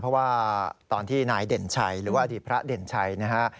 เพราะว่าตอนที่นายเด่นชัยหรือว่าอดีตพระเด่นชัยนะฮะ